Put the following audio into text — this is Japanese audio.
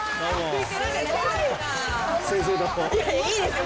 いやいいですよ